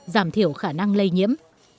giảm thiểu khả năng lây nhiễm